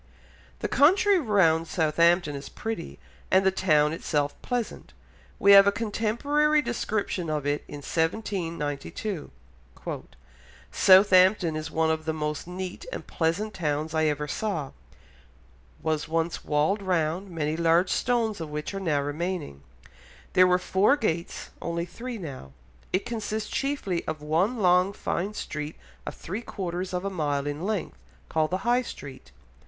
The country round Southampton is pretty, and the town itself pleasant; we have a contemporary description of it in 1792. "Southampton is one of the most neat and pleasant towns I ever saw ... was once walled round, many large stones of which are now remaining. There were four gates, only three now. It consists chiefly of one long fine street of three quarters of a mile in length, called the High Street....